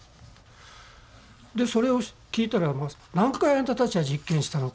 でそれを聞いたら「何回あんたたちは実験したのか」